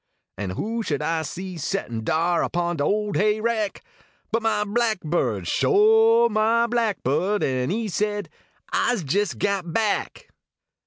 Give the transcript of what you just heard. An who should I see settiif dar Upon de ole hay rack, But mail blackbird, shuah, niah blackbird, An e said, " Ise jes got back."